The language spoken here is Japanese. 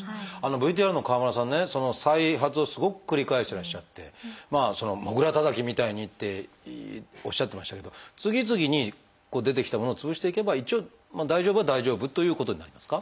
ＶＴＲの川村さんね再発をすごく繰り返していらっしゃってモグラたたきみたいにっておっしゃってましたけど次々に出てきたものを潰していけば一応大丈夫は大丈夫ということになりますか？